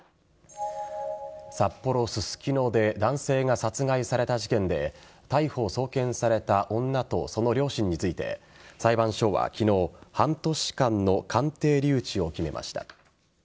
札幌・ススキノで男性が殺害された事件で逮捕・送検された女とその両親について裁判所は昨日半年間の鑑定留置を決めました。